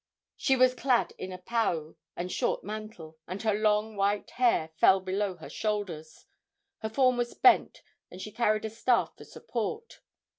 She was clad in a pau and short mantle, and her long, white hair fell below her shoulders. Her form was bent, and she carried a staff for support.